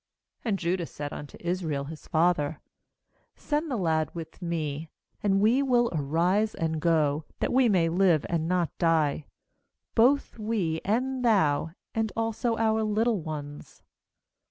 ; 8And Judah said unto Israel his father: 'Send the lad with me, and we will arise and go, that we may live, and not die, both we, and thou, and also our little ones.